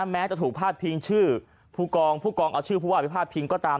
แม้จะถูกพาดพิงชื่อผู้กองผู้กองเอาชื่อผู้ว่าไปพาดพิงก็ตาม